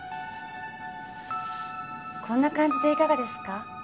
こんな感じでいかがですか？